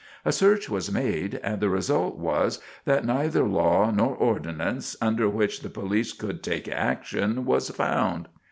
A search was made, and the result was that neither law nor ordinance under which the police could take action was found.